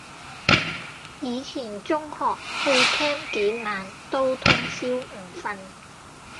以前中學去 camp 幾晚都通宵唔瞓